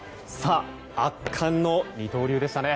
圧巻の二刀流でしたね。